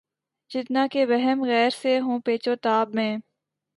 جتنا کہ وہمِ غیر سے ہوں پیچ و تاب میں